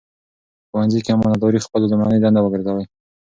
په ښوونځي کې امانتداري خپله لومړنۍ دنده وګرځوئ.